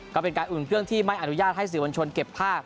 ก็เป็นการอุ่นเครื่องที่ไม่อนุญาตให้สื่อมวลชนเก็บภาพ